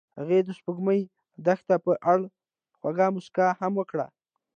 هغې د سپوږمیز دښته په اړه خوږه موسکا هم وکړه.